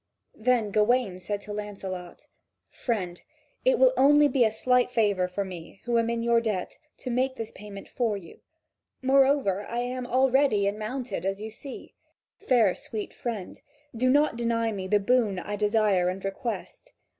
Then Gawain said to Lancelot: "Friend, it will be only a slight favour for me, who am in your debt, to make this payment for you. Moreover, I am all ready and mounted, as you see. Fair, sweet friend, do not deny me the boon I desire and request."